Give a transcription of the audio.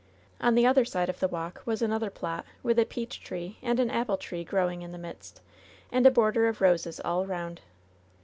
On the otiier side of the walk was another plot with a peach tree and an apple tree growing in the midst, and a border of LOVE'S BITTEREST CUP 87 roses all around.